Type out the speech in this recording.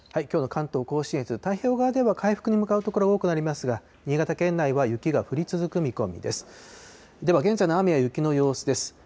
きょうの関東甲信越、太平洋側では回復に向かう所、多くなりますが、新潟県内は雪が降り続く見込みです。